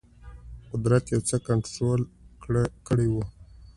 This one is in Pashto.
قدرت یو څه کنټرول کړی وو.